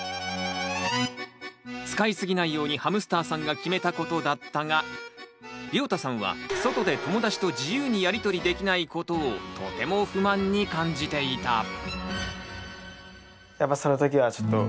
使い過ぎないようにハムスターさんが決めたことだったがりょうたさんは外で友だちと自由にやり取りできないことをとても不満に感じていた。